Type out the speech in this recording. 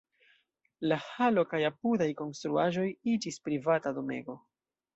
La halo kaj apudaj konstruaĵoj iĝis privata domego.